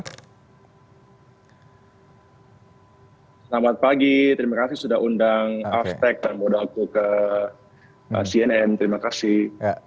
selamat pagi terima kasih sudah undang aftec dan modalku ke cnn terima kasih